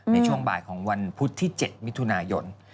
ในช่วงบ่ายของวันพุธที่๗มิถุนายน